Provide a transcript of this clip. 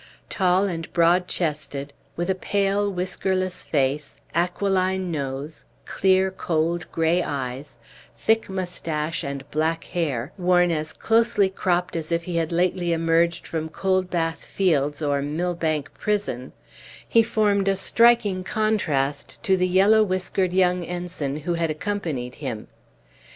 Tall and broad chested, with a pale, whiskerless face, aquiline nose, clear, cold gray eyes, thick mustache, and black hair, worn as closely cropped as if he had lately emerged from Coldbath Fields or Millbank prison, he formed a striking contrast to the yellow whiskered young ensign who had accompanied him.